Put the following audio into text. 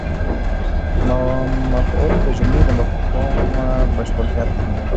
مفعول د جملې د مفهوم بشپړتیا تضمینوي.